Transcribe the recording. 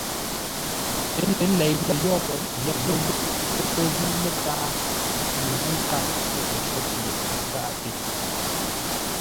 Ə́ leitə́ yórə́, yəlʉ̂ŋ pə̂ zə̂u mətǎa yi ə́ ŋə̂ nkâp lə́ pəcó pye gháʼate.